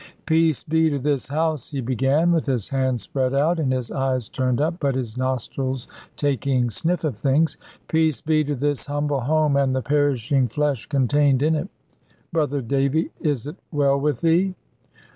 "Peace be to this house," he began, with his hands spread out, and his eyes turned up, but his nostrils taking sniff of things: "peace be to this humble home, and the perishing flesh contained in it! Brother Davy, is it well with thee?"